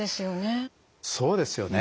そうですよね。